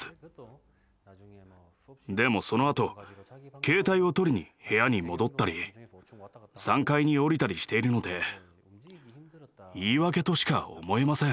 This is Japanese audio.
でもそのあと携帯を取りに部屋に戻ったり３階に下りたりしているので言い訳としか思えません。